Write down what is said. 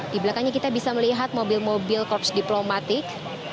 di belakangnya kita bisa melihat mobil mobil korps diplomatik